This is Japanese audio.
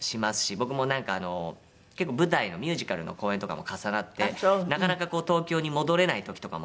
僕もなんか結構舞台のミュージカルの公演とかも重なってなかなかこう東京に戻れない時とかもあって。